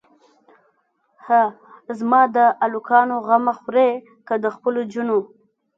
هه زما د الکانو غمه خورې که د خپلو جونو.